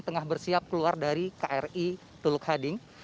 tengah bersiap keluar dari kri teluk hading